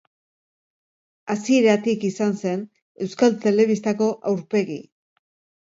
Hasieratik izan zen Euskal Telebistako aurpegi.